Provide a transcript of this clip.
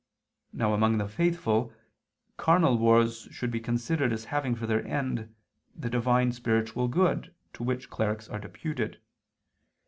Now, among the faithful, carnal wars should be considered as having for their end the Divine spiritual good to which clerics are deputed.